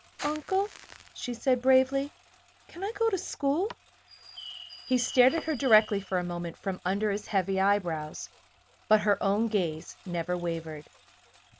"Uncle," she said, bravely, "can I go to school?" He stared at her directly for a moment, from under his heavy brows; but her own gaze never wavered.